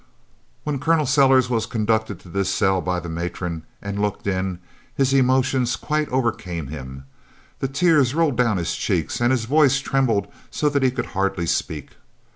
When Col. Sellers was conducted to this cell by the matron and looked in, his emotions quite overcame him, the tears rolled down his cheeks and his voice trembled so that he could hardly speak.